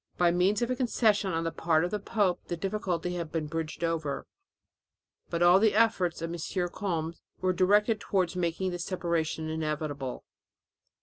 By means of a concession on the part of the pope the difficulty had been bridged over, but all the efforts of M. Combes were directed towards making the separation inevitable.